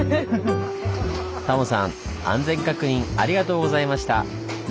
安全確認ありがとうございました。